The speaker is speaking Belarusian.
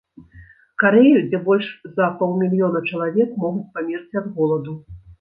Карэю, дзе больш за паўмільёна чалавек могуць памерці ад голаду.